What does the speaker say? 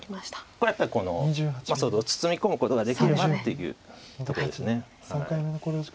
これやっぱりこの包み込むことができればというとこです。